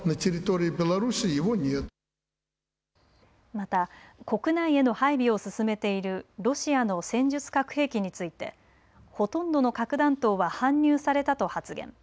また国内への配備を進めているロシアの戦術核兵器についてほとんどの核弾頭は搬入されたと発言。